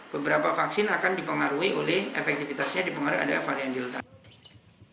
beberapa vaksin akan dipengaruhi oleh efektivitasnya dipengaruhi adalah varian delta